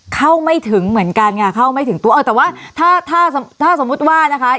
เข้าไม่ถึงเหมือนกันค่ะเข้าไม่ถึงตัวเออแต่ว่าถ้าถ้าสมมุติว่านะคะ